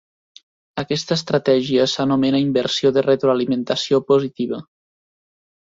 Aquesta estratègia s'anomena inversió de retroalimentació positiva.